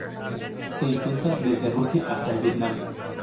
Se encuentra desde Rusia hasta el Vietnam.